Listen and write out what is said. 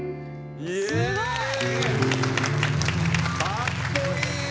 かっこいい！